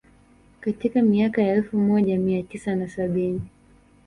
Katika miaka ya elfu moja mia tisa na sabini